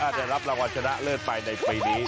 ได้รับรางวัลชนะเลิศไปในปีนี้